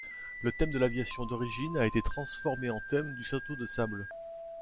Le thème de l'aviation d'origine a été transformé en thème du château de sable.